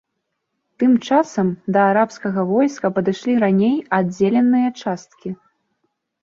Тым часам, да арабскага войска падышлі раней аддзеленыя часткі.